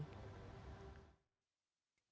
dan ini adalah pembahasan dari ppn